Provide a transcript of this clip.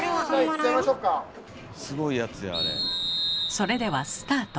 それではスタート。